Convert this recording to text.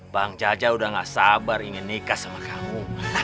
bang jaja udah gak sabar ingin nikah sama kamu